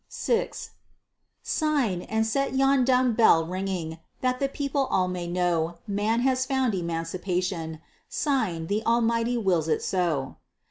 VI "Sign, and set yon dumb bell ringing, that the people all may know Man has found emancipation; sign, the Almighty wills it so."